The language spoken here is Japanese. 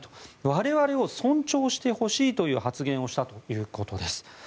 我々を尊重してほしいという発言をしたということです。